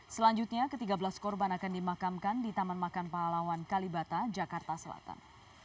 selanjutnya ke tiga belas korban akan dimakamkan di taman makan pahlawan kalibata jakarta selatan